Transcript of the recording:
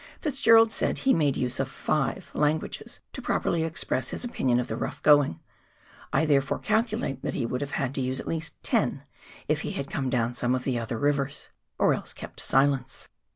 Fitzgerald said he made use of Jim languages to properly express his opinion of the rough going, I therefore calculate that he would have had to use at least ten if he had come down some of the other rivers — or else kept silence